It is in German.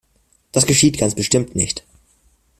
Das geschieht ganz bestimmt nicht.